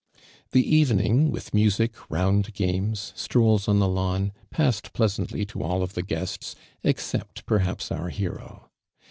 The evening, with music, round games, strolls on the lawn, passed i)lcasantly to all of the guests except perhaps our hero.